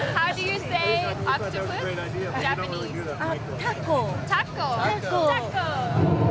タコ。